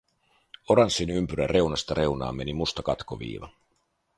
Oranssin ympyrän reunasta reunaan meni musta katkoviiva.